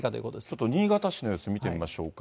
ちょっと新潟市の様子見てみましょうか。